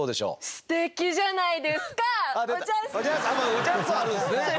「おじゃす！」はあるんですね。